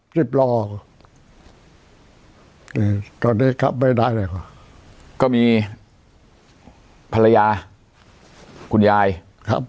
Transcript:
สิบลองอืมตอนนี้ขับไม่ได้เลยครับก็มีภรรยาคุณยายครับ